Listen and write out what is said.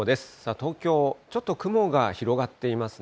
東京、ちょっと雲が広がっていますね。